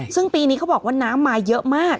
ซึ่งปีนี้เขาบอกว่าน้ำมาเยอะมาก